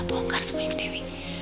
dia bisa bongkar semuanya ke dewi